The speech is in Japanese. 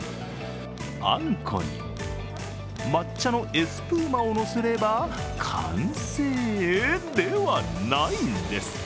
あんこに抹茶のエスプーマをのせれば完成、ではないんです。